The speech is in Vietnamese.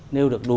nêu được đủ